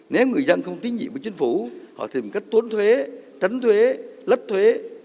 nếu người dân không tiến nhiệm với chính phủ họ tìm cách tốn thuế tránh thuế lách thuế